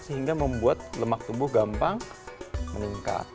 sehingga membuat lemak tubuh gampang meningkat